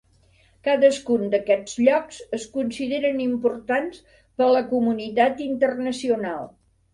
Cadascun d'aquests llocs es consideren importants per a la comunitat internacional.